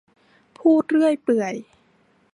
พูดเรื่อยเปื่อย